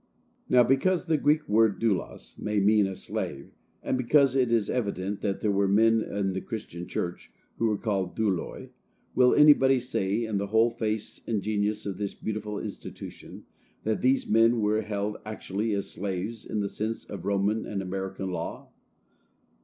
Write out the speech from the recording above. Now, because the Greek word doulos may mean a slave, and because it is evident that there were men in the Christian church who were called douloi, will anybody say, in the whole face and genius of this beautiful institution, that these men were held actually as slaves in the sense of Roman and American law?